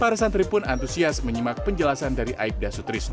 kita jadi tahu dari segi pesawat itu bagian bagian